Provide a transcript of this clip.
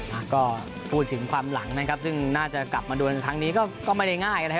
พูดถึงความหลังซึ่งน่าจะกลับมาดูทั้งนี้ก็ไม่ได้ง่ายนะครับ